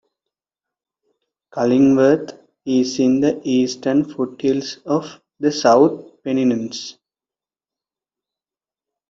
Cullingworth is in the eastern foothills of the South Pennines.